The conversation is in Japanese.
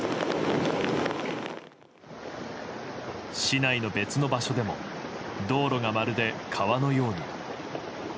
市内の別の場所でも道路がまるで川のように。